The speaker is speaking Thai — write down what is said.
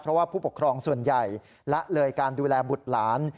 เพราะว่าผู้ปกครองส่วนใหญ่ละเลยการดูแลบุตรหลาน